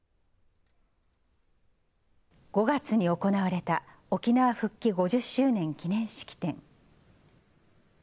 ５月に行われた、沖縄復帰５０周年記念式典。